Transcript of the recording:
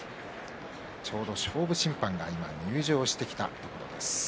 ちょうど勝負審判が今入場してきたところです。